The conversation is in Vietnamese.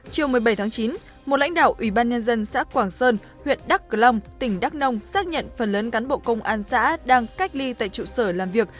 chiều một mươi bảy tháng chín một lãnh đạo ủy ban nhân dân xã quảng sơn huyện đắk cờ long tỉnh đắk nông xác nhận phần lớn cán bộ công an xã đang cách ly tại trụ sở làm việc